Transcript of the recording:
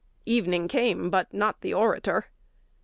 Evening came, but not the orator.